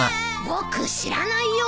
僕知らないよ。